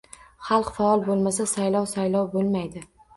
Xalq faol bo‘lmasa saylov saylov bo‘lmaydi